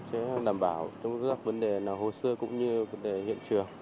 để đảm bảo trong các vấn đề hồi xưa cũng như vấn đề hiện trường